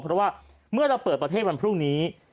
เพราะว่าเมื่อเราเปิดประเทศวันพรุ่งนี้